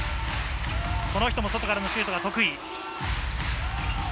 この人も外からのシュートが得意。